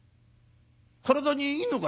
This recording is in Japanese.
体にいいのか？』